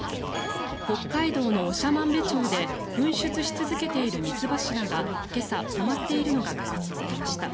北海道の長万部町で噴出し続けている水柱が今朝、止まっているのが確認されました。